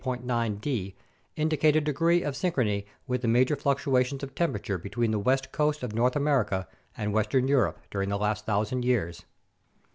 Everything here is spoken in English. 9(d) indicate a degree of synchrony in the major fluctuations of temperature between the west coast of North America and Western Europe during the last 1000 years.